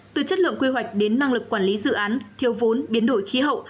từ chất lượng quy hoạch đến năng lực quản lý dự án thiếu vốn biến đổi khí hậu